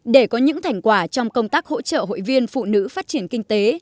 để có những thành quả trong công tác hỗ trợ hội viên phụ nữ phát triển kinh tế